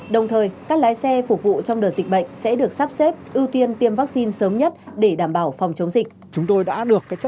đồng thời các lái xe phục vụ trong đợt dịch bệnh sẽ được sắp xếp ưu tiên tiêm vaccine sớm nhất để đảm bảo phòng chống dịch